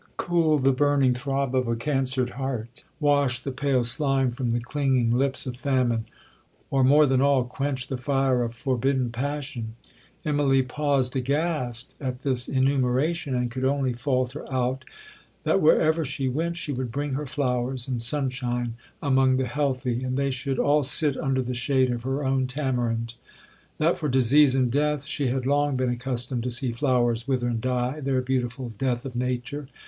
—cool the burning throb of a cancered heart?—wash the pale slime from the clinging lips of famine?—or, more than all, quench the fire of forbidden passion?' Immalee paused aghast at this enumeration, and could only faulter out, that wherever she went, she would bring her flowers and sunshine among the healthy, and they should all sit under the shade of her own tamarind. That for disease and death, she had long been accustomed to see flowers wither and die their beautiful death of nature.